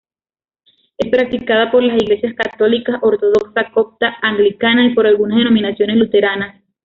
Es practicada por las iglesias Católica, Ortodoxa, Copta, Anglicana y por algunas denominaciones Luteranas.